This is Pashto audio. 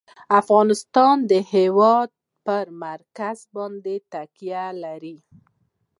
افغانستان د هېواد پر مرکز باندې تکیه لري.